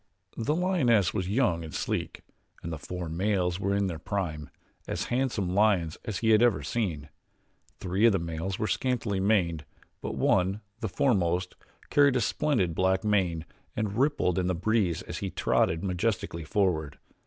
The lioness was young and sleek, and the four males were in their prime as handsome lions as he ever had seen. Three of the males were scantily maned but one, the foremost, carried a splendid, black mane that rippled in the breeze as he trotted majestically forward.